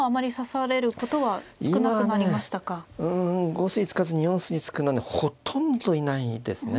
５筋突かずに４筋突くのはねほとんどいないですね。